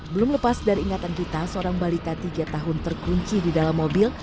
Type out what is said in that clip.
belum lepas dari ingatan dita seorang balita tiga tahun terkunci di dalam mobil